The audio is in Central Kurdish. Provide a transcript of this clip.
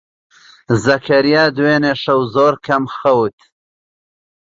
زەکەریا دوێنێ شەو زۆر کەم خەوت.